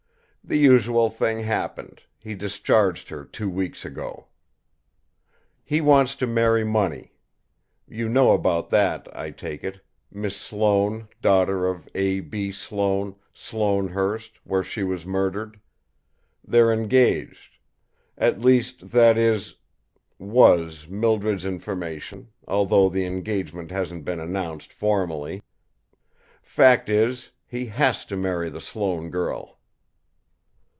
The usual thing happened; he discharged her two weeks ago. "He wants to marry money. You know about that, I take it Miss Sloane, daughter of A. B. Sloane, Sloanehurst, where she was murdered. They're engaged. At least, that is was Mildred's information, although the engagement hasn't been announced, formally. Fact is, he has to marry the Sloane girl."